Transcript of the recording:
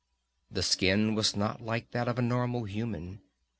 The skin was not like that of a normal human.